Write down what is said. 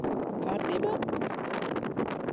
Kārtībā?